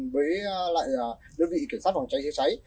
với lại đơn vị kiểm sát phòng trái chữa cháy